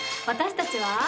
私たちは。